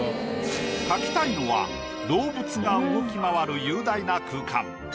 描きたいのは動物が動き回る雄大な空間。